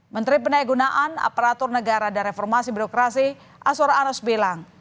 menteri pendayagunaan aparatur negara dan reformasi berlokrasi aswar anus bilang